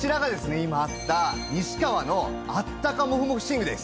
今あった西川のあったかモフモフ寝具です。